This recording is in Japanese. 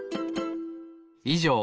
いじょう